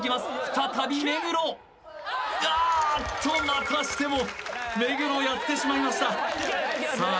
再び目黒あーっとまたしても目黒やってしまいましたさあ